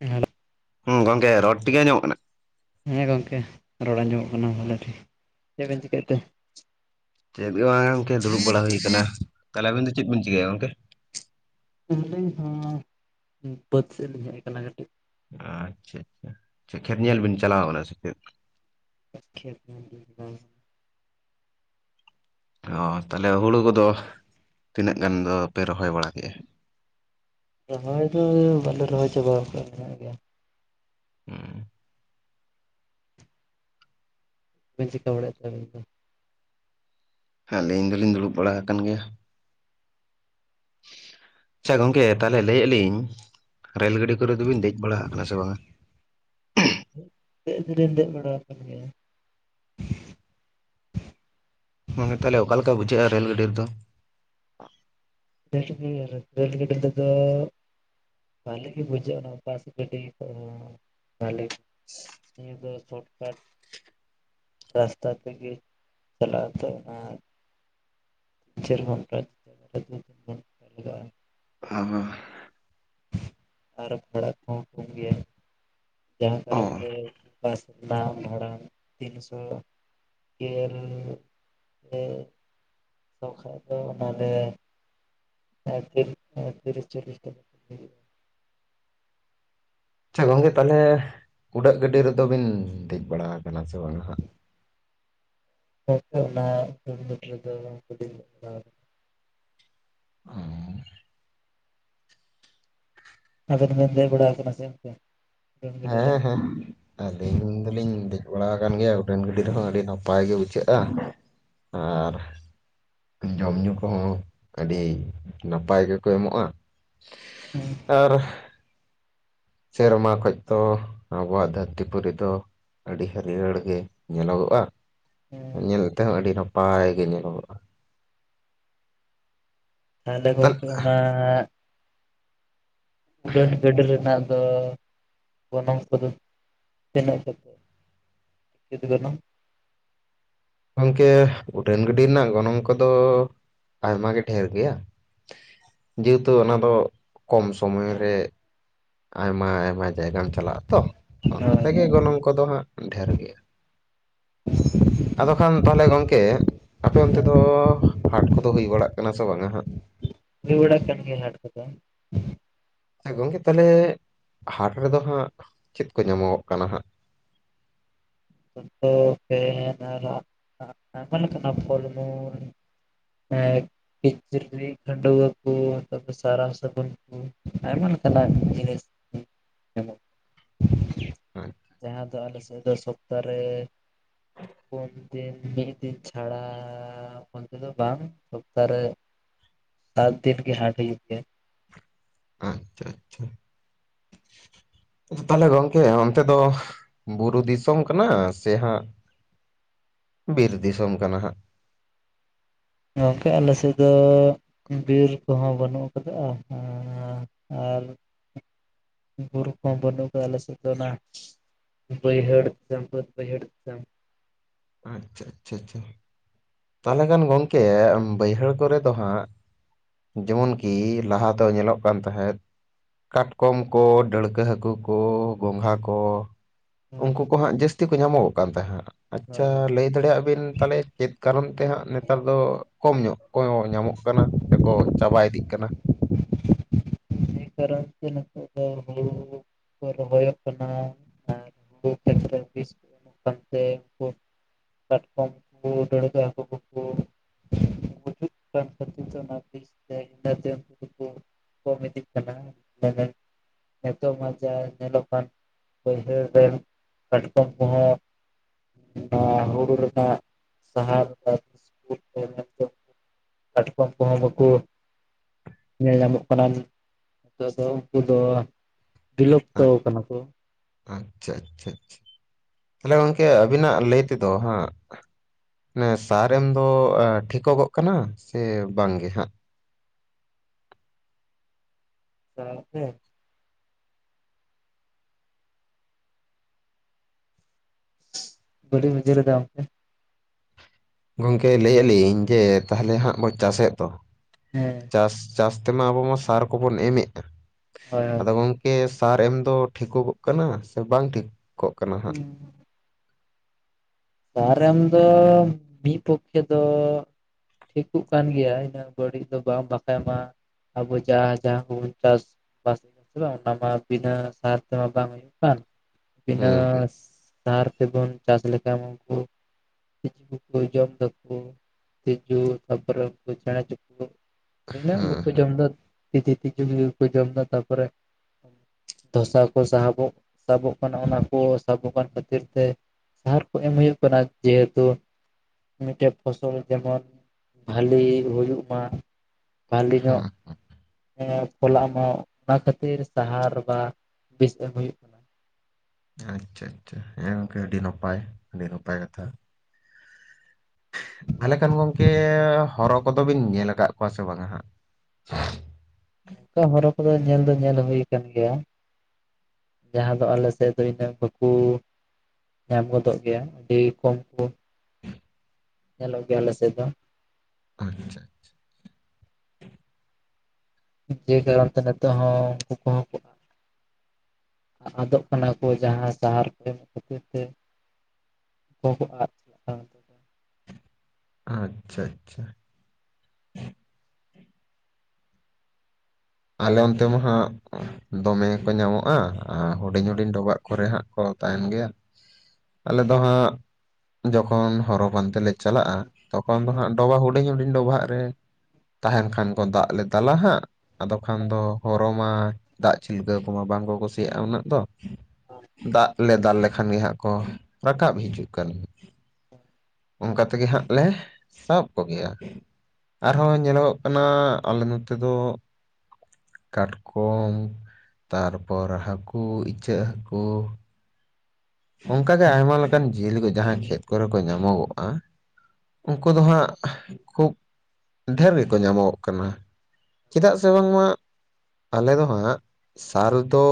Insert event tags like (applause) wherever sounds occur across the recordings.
Hello. ᱦᱩᱸ ᱜᱚᱢᱠᱮ ᱨᱚᱲ ᱴᱤᱠᱜᱮ ᱟᱸᱡᱚᱢᱚᱜ ᱠᱟᱱᱟ? ᱦᱮᱸ ᱜᱚᱢᱠᱮ ᱨᱚᱲ ᱟᱸᱡᱚᱢᱚᱜ ᱠᱟᱱᱟ ᱵᱷᱟᱞᱮ ᱴᱷᱤᱠ ᱪᱮᱫ ᱵᱤᱱ ᱪᱤᱠᱟᱹᱭᱮᱛ ᱛᱮ? ᱪᱮᱫ ᱜᱮ ᱵᱟᱝ ᱜᱚᱢᱠᱮ ᱫᱩᱲᱩᱵ ᱵᱟᱲᱟ ᱦᱩᱭ ᱠᱟᱱᱟ, ᱛᱟᱦᱚᱞᱮ ᱟᱵᱤᱱ ᱫᱚ ᱪᱮᱫ ᱵᱤᱱ ᱪᱤᱠᱟᱹᱭᱼᱟ ᱜᱚᱢᱠᱮ? ᱟᱹᱞᱤᱧ ᱦᱚᱸ ᱵᱟᱹᱫᱽ ᱥᱮᱫ ᱞᱤᱧ ᱦᱮᱡ ᱠᱟᱱᱟ ᱠᱟᱹᱴᱤᱡ᱾ ᱟᱪᱪᱷᱟ ᱟᱪᱪᱷᱟ ᱪᱮᱫ ᱠᱷᱮᱛ ᱧᱮᱞ ᱵᱤᱱ ᱪᱟᱞᱟᱣ ᱠᱟᱱᱟ ᱥᱮ ᱪᱮᱫ? (unintelligible) ᱚ ᱛᱟᱦᱚᱞᱮ ᱦᱩᱲᱩ ᱠᱚᱫᱚ ᱛᱤᱱᱟᱹᱜ ᱜᱟᱱ ᱫᱚᱯᱮ ᱨᱚᱦᱚᱭ ᱵᱟᱲᱟ ᱠᱮᱜᱼᱟ? ᱨᱚᱦᱚᱭ ᱫᱚ ᱵᱟᱞᱮ ᱨᱚᱦᱚᱭ ᱪᱟᱵᱟᱣᱠᱟᱜᱼᱟ ᱢᱮᱱᱟᱜ ᱜᱮᱭᱟ᱾ ᱩᱸ᱾ ᱵᱤᱱ ᱪᱤᱠᱟ ᱵᱟᱲᱟᱭᱮᱛ ᱛᱮ ᱟᱵᱮᱱ ᱫᱚ? ᱟᱹᱞᱤᱧ ᱫᱚᱞᱤᱧ ᱫᱩᱲᱩᱵ ᱵᱟᱲᱟ ᱠᱟᱱ ᱜᱮᱭᱟ᱾ ᱟᱪᱪᱷᱟ ᱜᱚᱢᱠᱮ ᱛᱟᱦᱚᱞᱮ ᱞᱟᱹᱭ ᱟᱹᱞᱤᱧ ᱨᱮᱹᱞ ᱜᱟᱹᱰᱤ ᱠᱚᱨᱮ ᱫᱚᱵᱤᱱ ᱫᱮᱡ ᱵᱟᱲᱟ ᱠᱟᱱᱟ ᱥᱮ ᱵᱟᱝᱟ? ᱫᱮᱡ ᱫᱚᱞᱤᱧ ᱫᱮᱡ ᱵᱟᱲᱟ ᱠᱟᱱ ᱜᱮᱭᱟ᱾ ᱜᱚᱝᱠᱮ ᱛᱟᱦᱚᱞᱮ ᱚᱠᱟ ᱞᱮᱠᱟ ᱵᱩᱡᱷᱟᱹᱜᱼᱟ ᱨᱮᱞ ᱜᱟᱹᱰᱤ ᱨᱮᱫᱚ? (unintelligible) ᱨᱮᱞ‌ ᱜᱟᱹᱰᱤ ᱨᱮᱫᱚ ᱵᱷᱟᱞᱮ ᱜᱮ ᱵᱩᱡᱷᱟᱹᱜᱼᱟ ᱱᱚᱣᱟ ᱵᱟᱥ ᱜᱟᱹᱰᱤ ᱠᱷᱚᱡ ᱦᱚᱸ ᱵᱷᱟᱞᱮ᱾ ᱱᱤᱭᱟᱹ ᱫᱚ ᱥᱚᱴᱠᱟᱴ ᱨᱟᱥᱛᱟ ᱛᱮᱜᱮ ᱪᱟᱞᱟᱜ ᱟᱛᱚ ᱚᱱᱟ ᱪᱮᱫ (unintelligible) ᱞᱟᱜᱟᱜᱼᱟ᱾ ᱦᱳᱭ᱾ ᱟᱨ ᱵᱷᱟᱲᱟ ᱠᱚ ᱠᱚᱢ ᱜᱮᱭᱟ᱾ ᱡᱟᱦᱟᱸ ᱚ ᱠᱟᱨᱚᱱᱛᱮ ᱵᱟᱥ ᱨᱮᱱᱟᱜ ᱵᱷᱟᱲᱟ ᱛᱤᱱᱥᱚ (unintelligible) ᱥᱚ ᱠᱷᱟᱡ ᱫᱚ ᱚᱱᱟ ᱛᱮ ᱟᱨ (unintelligible) ᱟᱨ ᱛᱤᱨᱤᱥ ᱪᱚᱞᱞᱤᱥ ᱜᱟᱱ ᱦᱩᱭᱩᱜ ᱟᱪᱪᱷᱟ ᱜᱚᱢᱠᱮ ᱛᱟᱦᱚᱞᱮ ᱩᱰᱟᱹᱜ ᱜᱟᱹᱰᱤ ᱨᱮᱫᱚ ᱵᱤᱱ ᱫᱮᱡ ᱵᱟᱲᱟ ᱠᱟᱱᱟ ᱥᱮ ᱵᱟᱝ ᱦᱟᱸᱜ? ᱜᱚᱢᱠᱮ ᱚᱱᱟ ᱩᱰᱟᱹᱱ ᱜᱟᱹᱰᱤ ᱨᱮᱫᱚ ᱵᱟᱝ ᱵᱟᱹᱞᱤᱧ ᱫᱮᱡ ᱵᱟᱲᱟ ᱠᱟᱱᱟ᱾ ᱚᱸ᱾ ᱟᱵᱤᱱ ᱫᱚᱵᱤᱱ ᱫᱮᱡ ᱵᱟᱲᱟ ᱠᱟᱱᱟ ᱥᱮ ᱵᱟᱝ? ᱦᱮᱸ ᱦᱮᱸ ᱟᱞᱤᱧ ᱫᱚᱞᱤᱧ ᱫᱮᱡ ᱵᱟᱲᱟ ᱠᱟᱱ ᱜᱮᱭᱟᱭ ᱩᱴᱷᱟᱱ ᱜᱟᱹᱰᱤ ᱨᱮᱦᱚᱸ ᱟᱹᱰᱤ ᱱᱟᱯᱟᱭ ᱜᱮ ᱵᱩᱡᱷᱟᱹᱜᱼᱟ, ᱟᱨ ᱡᱚᱢ ᱧᱩ ᱠᱚᱦᱚᱸ ᱟᱹᱰᱤ ᱱᱟᱯᱟᱭ ᱜᱮᱠᱚ ᱮᱢᱚᱜᱼᱟ ᱾ ᱟᱨ ᱥᱮᱨᱢᱟ ᱠᱷᱚᱡ ᱫᱚ, ᱟᱵᱚᱣᱟᱜ ᱫᱷᱟᱹᱨᱛᱤ ᱯᱩᱨᱤ ᱫᱚ ᱟᱹᱰᱤ ᱦᱟᱹᱨᱭᱟᱹᱲ ᱜᱮ ᱧᱮᱞᱚᱜᱚᱜᱼᱟ ᱾ ᱧᱮᱞ ᱛᱮᱦᱚᱸ, ᱟᱹᱰᱤ ᱱᱟᱯᱟᱭ ᱜᱮ ᱧᱮᱞᱚᱜᱚᱜᱼᱟ ᱾ ᱟᱞᱮ ᱛᱟᱦᱚᱞᱮ ᱜᱮᱛᱚ ᱚᱱᱟ ᱩᱰᱟᱹᱱ ᱜᱟᱹᱰᱤ ᱨᱮᱱᱟᱜ ᱫᱚ, ᱜᱚᱱᱚᱝ ᱠᱚᱫᱚ ᱛᱤᱱᱟᱹᱜ ᱠᱟᱛᱮ? ᱪᱮᱫ ᱪᱤᱠᱟᱹᱭ ᱱᱟᱢ, ᱜᱚᱝᱠᱮ ᱩᱰᱟᱹᱱ ᱜᱟᱹᱰᱤ ᱨᱮᱱᱟᱜ ᱜᱚᱱᱚᱝ ᱠᱚᱫᱚ, ᱟᱭᱢᱟ ᱜᱮ ᱰᱷᱮᱨ ᱜᱮᱭᱟ ᱾ ᱡᱮᱦᱩᱛᱩ ᱚᱱᱟ ᱫᱚ, ᱠᱚᱢ ᱥᱚᱢᱚᱭ ᱨᱮ ᱾ ᱟᱭᱢᱟ ᱟᱭᱢᱟ ᱡᱟᱭᱜᱟᱢ ᱪᱟᱞᱟᱜᱼᱟ ᱛᱚ, ᱚᱱᱟ ᱦᱳᱭ ᱛᱮᱜᱮ ᱜᱚᱱᱚᱝ ᱠᱚᱫᱚ ᱦᱟᱸᱜ ᱰᱷᱮᱨ ᱜᱮᱭᱟ ᱾ (unintelligible) (inaudible) ᱟᱫᱚ ᱠᱷᱟᱱ ᱛᱟᱦᱚᱞᱮ ᱜᱚᱝᱠᱮ, ᱟᱯᱮ ᱚᱱᱛᱮ ᱫᱚ ᱦᱟᱴ ᱠᱚᱫᱚ ᱦᱳᱭ ᱵᱟᱲᱟᱜ ᱠᱟᱱᱟ, ᱥᱮ ᱵᱟᱝᱟ ᱦᱟᱸᱜ ᱾ ᱦᱳᱭ ᱵᱟᱲᱟᱜ ᱠᱟᱱ ᱜᱮᱭᱟ ᱦᱟᱴ ᱠᱚᱫᱚ᱾ ᱦᱮ ᱜᱚᱝᱠᱮ ᱛᱟᱦᱚᱞᱮ, ᱦᱟᱴ ᱨᱮᱫᱚ ᱦᱟᱸᱜ ᱪᱮᱫ ᱠᱚ ᱧᱟᱢᱚᱜᱚᱜ ᱠᱟᱱᱟ ᱦᱟᱸᱜ ᱾ (unintelligible) (inaudible) (unintelligible) (unintelligible) ᱠᱤᱪᱤᱨᱤᱡ ᱠᱚ (inaudible) (unintelligible) ᱟᱭᱢᱟ ᱞᱮᱠᱟᱱᱟᱜ ᱡᱤᱱᱤᱥ ᱯᱟᱨᱥᱤ ᱧᱟᱢᱚᱜ ᱠᱟᱱᱟ᱾ ᱟᱪᱪᱷᱟ ᱡᱟᱦᱟᱸ ᱫᱚ, ᱟᱞᱮ ᱥᱮᱫ ᱫᱚ ᱥᱚᱯᱛᱟ ᱨᱮ ᱾ ᱯᱳᱱ ᱫᱤᱱ ᱢᱤᱫ ᱫᱤᱱ ᱪᱷᱟᱲᱟ ᱾ ᱚᱱᱛᱮ ᱫᱚ ᱵᱟᱝ, ᱥᱚᱯᱛᱟ ᱨᱮ ᱥᱟᱛᱫᱤᱱ ᱜᱮ ᱦᱟᱴ ᱦᱳᱭᱩᱜ ᱛᱟᱦᱮᱱᱟᱟ ᱾ ᱟᱪᱪᱷᱟ ᱟᱪᱪᱷᱟ, ᱛᱟᱦᱚᱞᱮ ᱜᱚᱝᱠᱮ ᱚᱱᱛᱮ ᱫᱚ ᱾ ᱵᱩᱨᱩ ᱫᱤᱥᱚᱢ ᱠᱟᱱᱟ ᱥᱮ, ᱦᱟᱸᱜ ᱵᱤᱨ ᱫᱤᱥᱚᱢ ᱠᱟᱱᱟ ᱦᱟᱸᱜ? ᱜᱚᱝᱠᱮ ᱟᱞᱮ ᱥᱮᱫ ᱫᱚ ᱵᱤᱨ ᱠᱚᱦᱚᱸ ᱵᱟᱹᱱᱩᱜ ᱠᱟᱫᱟ ᱟᱨ ᱟᱨ ᱵᱩᱨᱩ ᱠᱚ ᱵᱟᱹᱱᱩᱜ ᱟᱠᱟᱫᱟ ᱟᱞᱮ ᱥᱮᱫ ᱫᱚ ᱚᱱᱟ ᱾ ᱵᱟᱹᱭᱦᱟᱹᱲ ᱪᱟᱢᱯᱟᱫ ᱵᱟᱹᱭᱦᱟᱹᱲ ᱪᱟᱢ ᱟᱪᱪᱷᱟ, ᱟᱪᱪᱷᱟ, ᱟᱪᱪᱷᱟ ᱾ ᱛᱟᱦᱚᱞᱮ ᱠᱷᱟᱱ ᱜᱚᱢᱠᱮ, ᱵᱟᱹᱭᱦᱟᱹᱲ ᱠᱚᱨᱮ ᱫᱚ ᱦᱟᱸᱜ ᱾ ᱡᱮᱢᱚᱱᱠᱤ, ᱞᱟᱦᱟ ᱫᱚ ᱧᱮᱞᱚᱜ ᱠᱟᱱ ᱛᱟᱦᱮᱸᱫ ᱾ ᱠᱟᱴᱠᱚᱢ ᱠᱚ ᱰᱟᱹᱲᱠᱟᱹ ᱦᱟᱹᱠᱩ ᱠᱚ, ᱜᱚᱝᱜᱷᱟ ᱠᱚ᱾ ᱩᱱᱠᱩ ᱠᱚ ᱦᱟᱸᱜ, ᱡᱟᱹᱥᱛᱤ ᱠᱚ ᱧᱟᱢᱚᱜ ᱚᱜ ᱠᱟᱱ ᱛᱟᱦᱮᱸᱜ, ᱦᱳᱭ ᱟᱪᱪᱷᱟ ᱦᱳᱭ ᱞᱟᱹᱭ ᱫᱟᱲᱮᱭᱟᱜ ᱟᱵᱤᱱ ᱛᱟᱦᱚᱞᱮ ᱪᱮᱫ ᱠᱟᱨᱚᱱ ᱛᱮ ᱦᱟᱸᱜ ᱱᱮᱛᱟᱨ ᱫᱚ, ᱠᱚᱢ ᱧᱚᱜ ᱠᱚ ᱧᱟᱢᱚᱜ ᱠᱟᱱᱟ ᱥᱮᱠᱚ ᱪᱟᱵᱟ ᱤᱫᱤᱜ ᱠᱟᱱᱟ‍᱾ ᱱᱤᱛ ᱠᱟᱨᱚᱱ ᱛᱮ ᱱᱤᱛᱚᱜ ᱫᱚ, ᱦᱩᱲᱩ ᱠᱚ ᱨᱚᱦᱚᱭᱚᱜ ᱠᱟᱱᱟ ᱟᱨ (unintelligible) (unintelligible) ᱠᱟᱴᱠᱚᱢ ᱠᱚ, ᱰᱟᱹᱲᱠᱟᱹ ᱦᱟᱹᱠᱳ ᱠᱚ᱾ (unintelligible) (unintelligible) (unintelligible) (unintelligible) ᱠᱚᱢ ᱤᱫᱤᱜ ᱠᱟᱱᱟ᱾ ᱛᱟᱦᱚᱞᱮ ᱚᱱᱟ ᱡᱟᱦᱟ ᱧᱮᱞᱚᱜ ᱠᱟᱱ, ᱵᱟᱹᱭᱦᱟᱹᱲ ᱨᱮᱱ ᱠᱟᱴᱠᱚᱢ ᱠᱚᱦᱚᱸ ᱚᱱᱟ ᱦᱳᱲᱳ ᱞᱮᱠᱟ ᱥᱟᱦᱟᱨ ᱯᱟᱪ ᱢᱤᱫ ᱛᱮ ᱱᱮ (inaudible) (unintelligible) ᱠᱟᱴᱠᱚᱢ ᱠᱚ ᱦᱚᱸ ᱵᱟᱠᱩ ᱧᱮᱞ ᱧᱟᱢᱚᱜ ᱠᱟᱱᱟ ᱱᱤᱛᱜ ᱫᱚ, ᱩᱱᱠᱩ ᱫᱚ ᱵᱤᱞᱚᱯᱛᱚ ᱟᱸ, ᱠᱟᱱᱟ ᱠᱚ᱾ ᱟᱪᱪᱷᱟ ᱟᱪᱪᱷᱟ ᱟᱪᱪᱷᱟ, ᱛᱟᱦᱚᱞᱮ ᱜᱚᱝᱠᱮ ᱟᱹᱵᱤᱱᱟᱜ ᱞᱟᱹᱭ ᱛᱮᱫᱚ ᱦᱟᱸᱜ᱾ ᱱᱮᱥ ᱥᱟᱨ ᱮᱢ ᱫᱚ ᱴᱷᱤᱠᱚᱜᱚᱜ ᱠᱟᱱᱟ ᱥᱮ ᱵᱟᱝ ᱜᱮ ᱦᱟᱸᱜ? ᱟ ᱦᱮᱸ᱾ ᱵᱟᱹᱲᱤᱡ ᱢᱤᱡᱤᱨ ᱨᱮ ᱫᱟᱢᱢᱮ᱾ ᱜᱚᱝᱠᱮ ᱞᱟᱹᱭᱭᱴᱟ ᱞᱤᱧ ᱡᱮ ᱛᱟᱦᱚᱞᱮ ᱦᱟᱸᱜ ᱵᱚᱱ ᱪᱟᱥᱮᱫ ᱫᱚ᱾ ᱦᱮᱸ᱾ ᱪᱟᱥ ᱪᱟᱥ ᱛᱮᱢᱟ ᱟᱵᱚ ᱢᱟ ᱥᱟᱨ ᱠᱚᱵᱚᱱ ᱮᱢᱮᱫ ᱫᱚ ᱦᱳᱭ ᱦᱳᱭ ᱟᱫᱚ ᱜᱚᱝ ᱠᱮ ᱥᱟᱨ ᱮᱢ ᱫᱚ ᱴᱷᱤᱠᱚᱜᱚᱜ ᱠᱟᱱᱟ ᱥᱮ ᱵᱟᱝ ᱴᱷᱤᱠᱚᱜ ᱠᱟᱱᱟ ᱦᱟᱸᱜ᱾ ᱥᱟᱨ ᱮᱢ ᱫᱚ ᱢᱤᱫ ᱯᱚᱠᱠᱷᱮ ᱫᱚ ᱴᱷᱤᱠᱩᱜ ᱠᱟᱱ ᱜᱮᱭᱟ ᱤᱱᱟᱹ ᱵᱟᱹᱲᱤᱡ ᱫᱚ ᱵᱟᱝ ᱵᱟᱠᱷᱟᱡ ᱵᱟᱝ ᱾ ᱟᱵᱚ ᱡᱟᱦᱟᱸ ᱡᱟᱦᱟᱸ ᱠᱚᱵᱚᱱ ᱪᱟᱥ ᱵᱟᱥ ᱮᱫᱟ ᱚᱱᱟ ᱢᱟ ᱵᱤᱱᱟᱹ ᱥᱟᱨ ᱛᱮᱢᱟ ᱵᱟᱝ ᱦᱩᱭᱩᱜ ᱠᱟᱱ᱾ ᱵᱤᱱᱟᱹ ᱦᱩᱸ ᱦᱩᱸ ᱥᱟᱨ ᱛᱮᱵᱚᱱ ᱪᱟᱥ ᱞᱮᱠᱷᱟᱱ ᱩᱱᱠᱩ ᱛᱤᱡᱩ ᱠᱚᱠᱚ ᱡᱚᱢ ᱫᱟᱠᱩ ᱛᱤᱡᱩ ᱛᱟᱯᱚᱨᱮ ᱩᱱᱠᱩ ᱪᱮᱬᱮ ᱪᱟᱠᱩ᱾ ᱦᱩᱭᱱᱟ ᱩᱱᱠᱩ ᱦᱩᱸ ᱠᱩᱠᱚ ᱦᱩᱸ ᱡᱚᱢᱫᱟ ᱛᱤᱛᱤ ᱛᱤᱡᱩ ᱵᱟᱠᱚ ᱡᱚᱢᱫᱟ ᱛᱟᱨᱯᱚᱨᱮ ᱫᱷᱚᱥᱟ ᱠᱚ ᱥᱟᱦᱟᱚᱵᱚᱜ ᱥᱟᱵᱚᱜ ᱠᱟᱱᱟ ᱚᱱᱟ ᱠᱚ ᱥᱟᱵᱚᱜ ᱠᱟᱱ ᱠᱷᱟᱹᱛᱤᱨ ᱛᱮ ᱥᱟᱦᱟᱨ ᱠᱚ ᱮᱢ ᱦᱳᱭᱳᱜ ᱠᱟᱱᱟ ᱡᱮᱦᱮᱛᱩ ᱢᱤᱫᱴᱮᱱ ᱯᱷᱚᱥᱚᱞ ᱡᱮᱢᱚᱱ ᱵᱷᱟᱞᱤ ᱦᱩᱭᱩᱜ ᱢᱟ᱾ ᱵᱷᱷᱟᱞᱤ ᱦᱩᱸ ᱧᱚᱜ ᱯᱷᱚᱞᱟᱜ ᱮᱢᱚᱜ ᱚᱱᱟ ᱠᱷᱟᱹᱛᱤᱨ ᱥᱟᱦᱟᱨ ᱵᱟ ᱵᱮᱥ ᱮᱢ ᱦᱩᱭᱩᱜ ᱠᱟᱱᱟ ᱟᱪᱪᱷᱟ ᱟᱪᱪᱷᱟ, ᱦᱮᱸ ᱜᱚᱝᱠᱮ ᱟᱹᱰᱤ ᱱᱟᱯᱟᱭ ᱟᱹᱰᱤ ᱱᱟᱯᱟᱭ ᱠᱟᱛᱷᱟ᱾ ᱛᱟᱦᱚᱞᱮ ᱠᱷᱟᱱ ᱜᱚᱝᱠᱮ ᱦᱚᱨᱚ ᱠᱚᱫᱚ ᱵᱤᱱ ᱧᱮᱞ ᱟᱠᱟᱜ ᱠᱚᱣᱟ ᱥᱮ ᱵᱟᱝᱟ ᱦᱟᱸᱜ? ᱚᱱᱠᱟ ᱦᱚᱨᱚ ᱠᱚᱫᱚ ᱧᱮᱞ ᱫᱚ ᱧᱮᱞ ᱦᱩᱭ ᱠᱟᱱ ᱜᱮᱭᱟ। ᱡᱟᱦᱟᱸ ᱫᱚ ᱟᱞᱮ ᱥᱮᱫ ᱫᱚ ᱤᱱᱟᱹ ᱵᱟᱹᱠᱩ ᱧᱟᱢ ᱜᱚᱫᱚᱜ ᱜᱮᱭᱟ ᱟᱹᱰᱤ ᱠᱚᱢ ᱠᱚ ᱧᱮᱞᱚᱜ ᱜᱮᱭᱟ ᱟᱞᱮ ᱥᱮᱫ ᱫᱚ᱾ ᱟᱪᱪᱷᱟ ᱟᱪᱪᱷᱟ᱾ ᱡᱮ ᱠᱟᱨᱚᱱᱛᱮ ᱱᱤᱛᱚᱜ ᱦᱚᱸ ᱩᱱᱠᱩ ᱠᱚᱦᱚ ᱠᱚ (unintelligible) ᱟᱫᱚᱜ ᱠᱟᱱᱟ ᱠᱚ ᱡᱟᱦᱟᱸ ᱥᱟᱦᱟᱨ ᱠᱚ ᱠᱷᱟᱹᱛᱤᱨ ᱛᱮ᱾ ᱦᱚᱸ ᱦᱚᱸ ᱟᱫ᱾ ᱪᱟᱞᱟᱜ ᱠᱟᱱᱟ ᱱᱤᱛᱚᱜ ᱫᱚ ᱟᱪᱪᱷᱟ ᱟᱪᱪᱷᱟ᱾ ᱟᱞᱮ ᱚᱱᱛᱮ ᱢᱟ ᱦᱟᱸᱜ ᱫᱚᱢᱮ ᱠᱚ ᱧᱟᱢᱚᱜ-ᱟ ᱟᱨ ᱦᱩᱰᱤᱧ ᱦᱩᱰᱤᱧ ᱰᱚᱵᱟᱜ ᱠᱚᱨᱮ ᱦᱟᱸᱜ᱾ ᱠᱚ ᱛᱟᱦᱮᱱ ᱜᱮᱭᱟ᱾ ᱟᱞᱮ ᱫᱚ ᱦᱟᱸᱜ ᱡᱚᱠᱷᱚᱱ ᱦᱚᱨᱚ ᱯᱟᱱᱛᱮ ᱞᱮ ᱪᱟᱞᱟᱜ-ᱟ ᱛᱚᱠᱷᱚᱱ ᱫᱚ ᱦᱟᱸᱜ ᱦᱮᱸ ᱰᱚᱵᱷᱟ ᱦᱩᱰᱤᱧ ᱦᱩᱰᱤᱧ ᱰᱚᱵᱷᱟᱜ ᱨᱮ ᱛᱟᱦᱮᱱ ᱠᱷᱟᱱ ᱠᱚ ᱫᱟᱜ ᱞᱮ ᱫᱟᱞᱟ ᱦᱟᱸᱜ᱾ ᱟᱫᱚ ᱠᱷᱟᱱ ᱫᱚ ᱦᱚᱨᱚ ᱢᱟ ᱫᱟᱜ ᱪᱷᱤᱞᱠᱟᱹᱣ ᱠᱚᱢᱟ ᱵᱟᱝ ᱠᱚ ᱠᱩᱥᱤᱭᱟᱜ-ᱟ ᱩᱱᱟᱹᱜ ᱫᱚ᱾ ᱫᱟᱜ ᱞᱮ ᱫᱟᱞ ᱞᱮᱠᱷᱟᱱ ᱜᱮ ᱦᱟᱸᱜ ᱠᱚ ᱨᱟᱠᱟᱵ ᱦᱤᱡᱩᱜ ᱠᱟᱱ᱾ (inaudible) ᱚᱱᱠᱟ ᱛᱮᱜᱮ ᱦᱟᱸᱜ ᱞᱮ ᱥᱟᱵ ᱠᱚᱜᱮᱭᱟ᱾ ᱟᱨᱦᱚᱸ ᱧᱮᱞᱚᱜᱚᱜ ᱠᱟᱱᱟ ᱟᱞᱮ ᱱᱚᱛᱮ ᱫᱚ ᱠᱟᱴᱠᱚᱢ ᱛᱟᱨᱯᱚᱨ ᱦᱟᱹᱠᱩ ᱤᱪᱟᱹᱜ ᱦᱟᱹᱠᱩ᱾ ᱚᱝᱠᱟᱜᱮ ᱦᱮᱸ ᱟᱭᱢᱟ ᱞᱮᱠᱟᱱ ᱡᱤᱭᱟᱹᱞᱤ ᱠᱚ ᱡᱟᱦᱟᱸ ᱠᱷᱮᱛ ᱠᱚᱨᱮ ᱠᱚ ᱧᱟᱢᱚᱜᱚᱜ-ᱟ᱾ ᱩᱱᱠᱩ ᱫᱚ ᱦᱟᱸᱜ ᱠᱷᱩᱵ ᱰᱷᱮᱨ ᱜᱮᱠᱚ ᱧᱟᱢᱚᱜᱚᱜ ᱠᱟᱱᱟ᱾ ᱪᱮᱫᱟᱜ ᱥᱮ ᱵᱟᱝᱢᱟ ᱟᱞᱮ ᱫᱚ ᱦᱟᱸᱜ ᱥᱟᱨ ᱫᱚ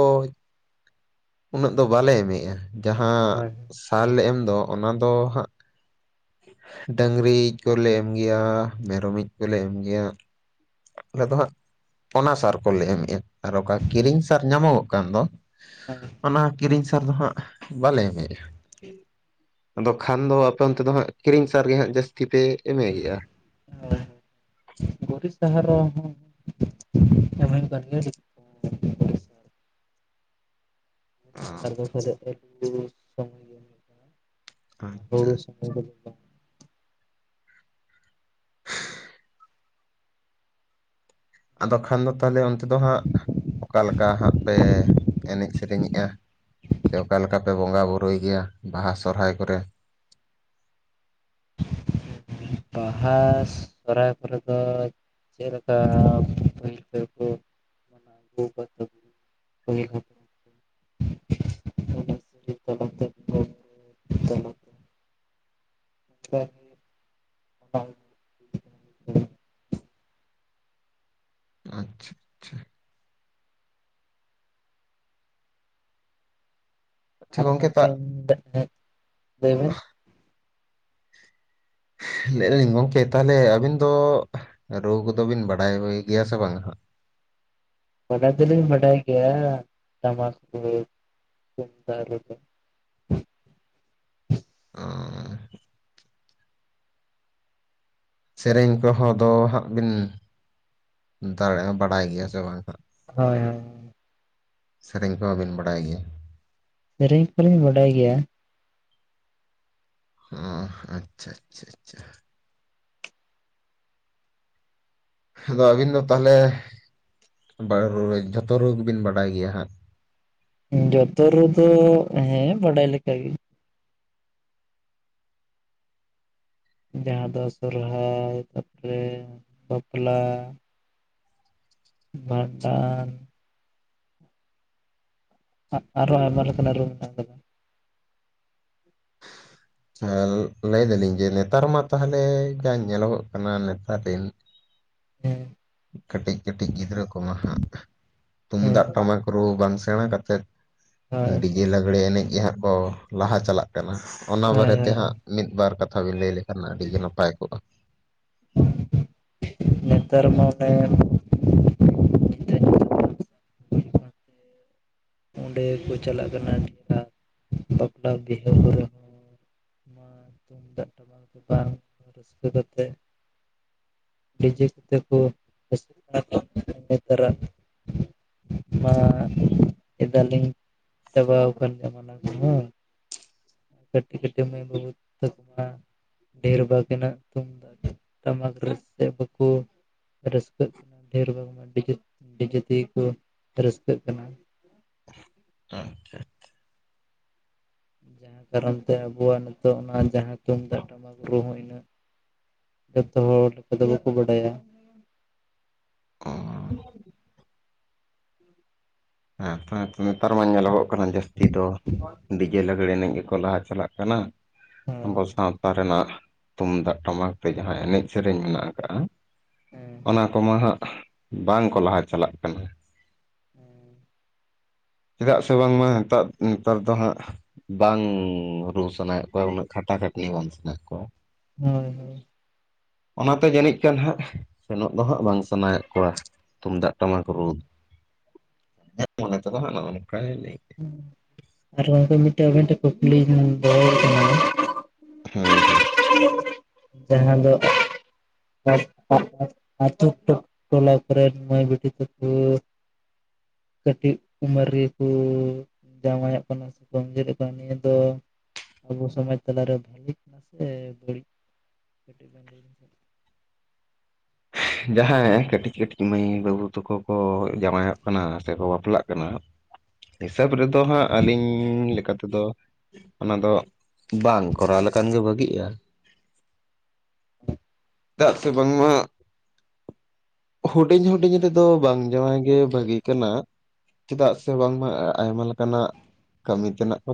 ᱩᱱᱟᱹᱜ ᱫᱚ ᱵᱟᱞᱮ ᱮᱢᱮᱜ-ᱟ, ᱡᱟᱦᱟᱸ ᱦᱳᱭ ᱦᱳᱭ ᱥᱟᱨ ᱮᱢ ᱫᱚ ᱚᱱᱟ ᱫᱚ ᱦᱟᱸᱜ ᱰᱟᱹᱝᱨᱤ ᱤᱡ ᱠᱚᱞᱮ ᱮᱢ ᱜᱮᱭᱟ ᱢᱮᱨᱚᱢ ᱤᱡ ᱠᱚᱞᱮ ᱮᱢ ᱜᱮᱭᱟ᱾ ᱟᱞᱮ ᱫᱚ ᱦᱟᱸᱜ ᱚᱱᱟ ᱥᱟᱨ ᱠᱚᱞᱮ ᱮᱢᱮᱜᱼᱟ ᱟᱨ ᱚᱠᱟ ᱠᱤᱨᱤᱧ ᱥᱟᱨ ᱧᱟᱢᱚᱜᱚᱜ ᱠᱟᱱ ᱫᱚ, ᱚᱱᱟ ᱠᱤᱨᱤᱧ ᱥᱟᱨ ᱫᱚ ᱦᱟᱸᱜ ᱵᱟᱞᱮ ᱮᱢᱮᱜᱼᱟ᱾ ᱟᱫᱚ ᱠᱷᱟᱱ ᱫᱚ ᱟᱯᱮ ᱚᱱᱛᱮ ᱫᱚ ᱦᱟᱸᱜ ᱠᱤᱨᱤᱧ ᱥᱟᱨ ᱜᱮ ᱦᱟᱸᱜ ᱡᱟᱹᱥᱛᱤ ᱯᱮ ᱮᱢᱮ ᱜᱮᱼᱟ? ᱦᱚᱭ ᱦᱚᱭ ᱜᱩᱨᱤᱜ ᱥᱟᱦᱟᱨ ᱦᱚᱸ (unintelligible) ᱜᱩᱨᱤᱡ ᱚ ᱱᱮᱛᱟᱨ ᱫᱚ ᱯᱟᱞᱮ ᱟᱹᱞᱩ ᱥᱚᱢᱚᱭ ᱜᱮ ᱦᱩᱭᱩᱜ ᱠᱟᱱᱟ ᱟᱪᱪᱷᱟ ᱦᱩᱲᱩ (unintelligible) ᱦᱩᱲᱩ ᱫᱚ ᱵᱟᱝ ᱟᱫᱚ ᱠᱷᱟᱱ ᱫᱚ ᱛᱟᱦᱚᱞᱮ ᱚᱱᱛᱮ ᱫᱚ ᱦᱟᱸᱜ ᱚᱠᱟ ᱞᱮᱠᱟ ᱦᱟᱸᱜ ᱯᱮ ᱮᱱᱮᱡ ᱥᱮᱨᱮᱧᱮᱜᱼᱟ ᱥᱮ ᱚᱠᱟ ᱞᱮᱠᱟᱯᱮ ᱵᱚᱸᱜᱟ ᱵᱩᱨᱩᱭ ᱜᱮᱭᱟ ᱵᱟᱦᱟ ᱥᱚᱦᱚᱨᱟᱭ ᱠᱚᱨᱮ? ᱵᱟᱦᱟ ᱥᱚᱦᱚᱨᱟᱭ ᱠᱚᱨᱮ ᱫᱚ ᱪᱮᱜ ᱞᱮᱠᱟ ᱯᱟᱹᱦᱤᱞ ᱠᱚᱨᱮ ᱠᱩ ᱢᱟᱱᱟᱣ ᱟᱹᱜᱩ (unintelligible) ᱯᱟᱹᱦᱤᱞ ᱦᱟᱯᱲᱟᱢ ᱠᱚ ᱚᱱᱟ (unintelligible) ᱛᱮᱠᱚ (unintelligible) (unintelligible) ᱦᱩᱭᱩᱜ (unintelligible) ᱟᱪᱪᱷᱟ ᱟᱪᱪᱷᱟ᱾ ᱟᱪᱪᱷᱟ ᱟᱫᱚ ᱛᱟ ᱜᱚᱝᱠᱮ ᱢᱮᱱᱮᱜ ᱛᱟᱦᱮᱸᱜ ᱞᱟᱹᱭ ᱵᱮᱱ? ᱞᱟᱹᱭ ᱞᱤᱧ ᱜᱚᱝᱠᱮ ᱛᱟᱦᱚᱞᱮ ᱟᱹᱵᱤᱱ ᱫᱚ ᱨᱩ ᱠᱚᱫᱚ ᱵᱤᱱ ᱵᱟᱰᱟᱭ ᱵᱟᱲᱟ ᱜᱮᱭᱟ ᱥᱮ ᱵᱟᱝ ᱦᱟᱸᱜ? ᱵᱟᱰᱟᱭ ᱫᱚ ᱞᱤᱧ ᱵᱟᱰᱟᱭ ᱜᱮᱭᱟ ᱴᱟᱢᱟᱠ ᱨᱩ ᱛᱩᱢᱫᱟᱜ ᱨᱩ ᱫᱚ᱾ ᱚᱸᱻ ᱥᱮᱨᱮᱧ ᱠᱚᱦᱚᱸ ᱫᱚ ᱦᱟᱸᱜ ᱵᱤᱱ, ᱫᱟᱲᱮ ᱵᱟᱵᱟᱭ ᱜᱮᱭᱟ ᱥᱮ ᱵᱟᱝ ᱦᱟᱸᱜ? ᱦᱳᱭ ᱦᱳᱭ ᱥᱮᱨᱮᱧ ᱠᱚᱢᱟ ᱵᱤᱱ ᱵᱟᱰᱟᱭ ᱜᱮᱭᱟ, ᱥᱮᱨᱮᱧ ᱠᱚ ᱞᱤᱧ ᱵᱟᱰᱟᱭ ᱜᱮᱭᱟ᱾ ᱚ ᱟᱪᱪᱷᱟ ᱟᱪᱪᱷᱟ ᱟᱪᱪᱷᱟ᱾ ᱟᱫᱚ ᱟᱹᱵᱤᱱ ᱫᱚ ᱛᱟᱦᱚᱞᱮ ᱵᱟᱝᱨᱩ ᱨᱮ ᱡᱷᱚᱛᱚ ᱨᱩ ᱜᱮ ᱵᱤᱱ ᱵᱟᱰᱟᱭ ᱜᱮᱭᱟ ᱦᱟᱸᱜ? ᱡᱚᱛᱚ ᱨᱩᱫᱚ ᱦᱮᱸ ᱵᱟᱰᱟᱭ ᱞᱮᱠᱟ ᱜᱮ᱾ ᱡᱟᱦᱟᱸ ᱫᱚ ᱥᱚᱨᱦᱟᱭ ᱛᱟᱯᱚᱨᱮ ᱵᱟᱯᱞᱟ ᱵᱷᱟᱸᱰᱟᱱ ᱟ ᱟᱨᱚ ᱟᱭᱢᱟ ᱞᱮᱠᱟᱱᱟᱜ ᱨᱩ ᱢᱮᱱᱟᱜ ᱟᱠᱟᱫᱟ᱾ ᱟᱨ ᱞᱟᱹᱭ ᱫᱟᱞᱤᱧ ᱡᱮ ᱱᱮᱛᱟᱨ ᱢᱟ ᱛᱟᱦᱚᱞᱮ ᱡᱟ ᱧᱮᱞᱚᱜᱚᱜ ᱠᱟᱱᱟ ᱱᱮᱛᱟᱨ ᱨᱤᱱ ᱦᱮᱸ ᱠᱟᱹᱴᱤᱜ ᱠᱟᱹᱴᱤᱜ ᱜᱤᱫᱽᱨᱟᱹ ᱠᱚᱢᱟ ᱦᱟᱸᱜ ᱦᱳᱭ ᱛᱩᱢᱫᱟᱜ ᱴᱟᱢᱟᱠ ᱨᱩ ᱵᱟᱝ ᱥᱮᱬᱟ ᱠᱟᱛᱮᱜ ᱦᱳᱭ ᱰᱤᱡᱮ ᱞᱟᱜᱽᱲᱮ ᱮᱱᱮᱡ ᱜᱮ ᱦᱟᱸᱜ ᱠᱚ ᱞᱟᱦᱟ ᱪᱟᱞᱟᱜ ᱠᱟᱱᱟ ᱚᱱᱟ ᱵᱟᱨᱮᱛᱮ ᱦᱳᱭ ᱦᱳᱭ ᱦᱟᱸᱜ ᱢᱤᱫ ᱵᱟᱨ ᱠᱟᱛᱷᱟ ᱵᱤᱱ ᱞᱟᱹᱭ ᱞᱮᱠᱷᱟᱱ ᱱᱟᱜ ᱟᱹᱰᱤ ᱜᱮ ᱱᱟᱯᱟᱭ ᱠᱚᱜᱼᱟ? ᱱᱮᱛᱟᱨ ᱢᱟ ᱚᱱᱮ ᱧᱤᱫᱟᱹ ᱧᱩᱛ ᱟᱠᱟᱱ ᱚᱸᱰᱮ ᱠᱚ ᱪᱟᱞᱟᱜ ᱠᱟᱱᱟ ᱢᱮᱞᱟ ᱵᱟᱯᱞᱟ ᱵᱤᱦᱟᱹ ᱠᱚᱨᱮ ᱦᱚᱸ ᱱᱚᱭᱟ ᱛᱩᱢᱫᱟᱜ ᱴᱟᱢᱟᱠ ᱛᱮ ᱵᱟᱝ ᱨᱟᱹᱥᱠᱟᱹ ᱠᱟᱛᱮᱜ ᱰᱤᱡᱮ ᱠᱚᱮᱛ ᱠᱚ (unintelligible) ᱢᱟ ᱦᱟᱸᱜ ᱮᱫᱟ ᱞᱤᱧ ᱪᱟᱵᱟᱣ ᱠᱟᱱ ᱜᱮᱭᱟ ᱢᱟᱱᱟ ᱠᱚᱦᱚᱸ ᱠᱟᱹᱴᱤᱜ ᱠᱟᱹᱴᱤᱜ ᱢᱟᱹᱭ ᱵᱟᱵᱩ ᱛᱟᱠᱚᱣᱟᱜ ᱰᱮᱲ ᱵᱷᱟᱜᱽᱱᱟᱜ ᱛᱩᱢᱫᱟᱜ ᱴᱟᱢᱟᱠ ᱨᱟᱹᱥᱠᱟ. ᱵᱟᱹᱠᱩ ᱨᱟᱹᱥᱠᱟᱹᱜ ᱠᱟᱱᱟ ᱰᱷᱮᱨ ᱵᱟᱝᱢᱟ ᱰᱤᱡᱮ ᱰᱤᱡᱮ ᱛᱮᱜᱮ ᱠᱚ ᱨᱟᱹᱥᱠᱟᱹᱜ ᱠᱟᱱᱟ᱾ ᱟᱪᱪᱷᱟ᱾ ᱡᱟᱦᱟᱸ ᱠᱟᱨᱚᱱ ᱛᱮ ᱟᱵᱚᱣᱟᱜ ᱱᱤᱛᱚᱜ ᱚᱱᱟ ᱡᱟᱦᱟᱸ ᱛᱩᱢᱫᱟᱜ ᱴᱟᱢᱟᱠ ᱨᱩᱦᱚᱸ ᱤᱱᱟᱹᱜ ᱡᱚᱛᱚ ᱦᱚᱲ ᱞᱮᱠᱟ ᱫᱚ ᱵᱟᱠᱚ ᱵᱟᱰᱟᱭᱟ᱾ ᱚ (unintelligible) ᱱᱮᱛᱟᱨ ᱢᱟ ᱧᱮᱞᱚᱜᱚᱜ ᱠᱟᱱᱟ ᱡᱟᱹᱥᱛᱤ ᱫᱚ ᱰᱤᱡᱮ ᱞᱟᱹᱜ, ᱮᱱᱮᱡ ᱜᱮᱠᱚ ᱞᱟᱦᱟ ᱪᱟᱞᱟᱜ ᱠᱟᱱᱟ ᱟᱵᱚ ᱦᱳᱭ ᱥᱟᱶᱛᱟ ᱨᱮᱱᱟᱜ ᱛᱩᱢᱫᱟᱜ ᱴᱟᱢᱟᱠ ᱛᱮ ᱡᱟᱦᱟᱸ ᱮᱱᱮᱡ ᱥᱮᱨᱮᱧ ᱢᱮᱱᱟᱜ ᱟᱠᱟᱜ-ᱟ ᱦᱮᱸ ᱚᱱᱟ ᱠᱚᱢᱟ ᱦᱟᱸᱜ ᱵᱟᱝᱠᱚ ᱞᱟᱦᱟ ᱪᱟᱞᱟᱜ ᱠᱟᱱᱟ᱾ ᱦᱩᱸ᱾ ᱪᱮᱫᱟᱜ ᱥᱮ ᱵᱟᱝᱢᱟ ᱱᱮᱛᱟᱜ ᱱᱮᱛᱟᱨ ᱫᱚ ᱦᱟᱸᱜ ᱵᱟᱝ ᱨᱩ ᱥᱟᱱᱟᱭᱮᱫ ᱠᱚᱣᱟ ᱩᱱᱟᱹᱜ᱾ ᱠᱷᱟᱴᱟ ᱠᱷᱟᱴᱱᱤ ᱵᱟᱝ ᱥᱟᱱᱟᱭᱮᱫ ᱠᱚᱣᱟ᱾ ᱦᱳᱭ ᱦᱳᱭ᱾ ᱚᱱᱟᱛᱮ ᱡᱟᱹᱱᱤᱡ ᱠᱟᱱ ᱦᱟᱸᱜ ᱥᱮᱱᱚᱜ ᱫᱚ ᱦᱟᱸᱜ ᱵᱟᱝ ᱥᱟᱱᱟᱭᱮᱫ ᱠᱚᱣᱟ ᱛᱩᱢᱫᱟᱜ ᱴᱟᱢᱟᱠ ᱨᱩ᱾ ᱤᱧᱟᱹᱜ ᱢᱚᱱᱮ ᱛᱮᱫᱚ ᱦᱟᱸᱜ ᱱᱚᱜ-ᱚ ᱱᱚᱝᱠᱟᱭ ᱞᱟᱹᱭᱮᱜ-ᱟ᱾ ᱦᱩᱸ, ᱟᱨ ᱩᱝᱠᱩ ᱢᱤᱫᱴᱮᱡ ᱢᱤᱫᱴᱮᱡ ᱠᱚ ᱠᱩᱠᱞᱤᱭᱮ ᱠᱟᱱᱟ ᱫᱚᱦᱚᱭᱮ ᱠᱟᱱᱟ᱾ ᱦᱩᱸ ᱦᱩᱸ᱾ ᱡᱟᱦᱟᱸ ᱫᱚ (unintelligible) ᱟᱨ ᱴᱩᱠ-ᱴᱟᱠ ᱴᱚᱞᱟ ᱠᱚᱨᱮᱱ ᱢᱟᱹᱭ ᱵᱤᱴᱤ ᱛᱟᱠᱩ᱾ ᱠᱟᱹᱴᱤᱡ ᱩᱢᱮᱹᱨ ᱨᱮᱜᱮᱠᱚᱻ ᱡᱟᱶᱟᱭᱚᱜ ᱠᱟᱱᱟ ᱥᱮ ᱟᱺᱜᱤᱨᱚᱜ ᱠᱟᱱᱟ, ᱱᱤᱭᱟᱹ ᱫᱚ ᱟᱵᱚ ᱥᱚᱢᱟᱡᱽ ᱛᱟᱞᱟᱨᱮ ᱵᱷᱟᱹᱜᱤ ᱥᱮ ᱵᱟᱹᱲᱤᱡ ᱠᱟᱹᱴᱤᱡ ᱵᱮᱱ ᱞᱟᱹᱭ ᱞᱮᱠᱷᱟᱡ᱾ ᱡᱟᱦᱟᱸᱭ ᱠᱟᱹᱴᱤᱡ ᱠᱟᱹᱴᱤᱡ ᱢᱟᱹᱭ ᱵᱟᱹᱵᱩ ᱛᱟᱠᱚ ᱠᱚ ᱡᱟᱶᱟᱭᱚᱜ ᱠᱟᱱᱟ ᱥᱮᱠᱚ ᱵᱟᱯᱞᱟᱜ ᱠᱟᱱᱟ᱾ (inaudible) ᱦᱤᱥᱟᱹᱵ ᱨᱮᱫᱚ ᱦᱟᱸᱜ ᱟᱹᱞᱤᱧ ᱞᱮᱠᱟᱛᱮ ᱛᱮᱫᱚ ᱚᱱᱟ ᱫᱚ ᱵᱟᱝ ᱠᱚᱨᱟᱣ ᱞᱮᱠᱷᱟᱱ ᱜᱮ ᱵᱷᱟᱹᱜᱤᱜ-ᱟ᱾ ᱪᱮᱫᱟᱜ ᱥᱮ ᱵᱟᱝᱢᱟ ᱦᱩᱰᱤᱧ ᱦᱩᱰᱤᱧ ᱨᱮᱫᱚ ᱵᱟᱝ ᱡᱟᱶᱟᱭ ᱜᱮ ᱵᱷᱟᱹᱜᱤ ᱠᱟᱱᱟ᱾ ᱪᱮᱫᱟᱜ ᱥᱮ ᱵᱟᱝᱢᱟ ᱟᱭᱢᱟ ᱞᱮᱠᱟᱱᱟᱜ ᱠᱟᱹᱢᱤ ᱛᱮᱱᱟᱜ ᱠᱚ᱾